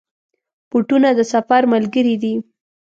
بوټونه د سفر ملګري دي.